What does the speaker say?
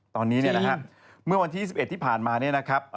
ตอนนี้นะฮะมื่อวันที่๒๑ที่ผ่านมานะครับ